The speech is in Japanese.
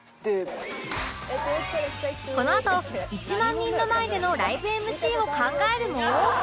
このあと１万人の前でのライブ ＭＣ を考えるも